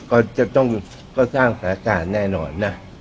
ก็จะต้องหยุดก็สร้างสถานการณ์แน่นอนนะ